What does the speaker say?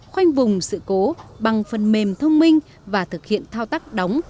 khoanh vùng sự cố bằng phần mềm thông minh và thực hiện thao tác đóng